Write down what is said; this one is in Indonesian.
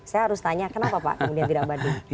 saya harus tanya kenapa pak kemudian tidak banding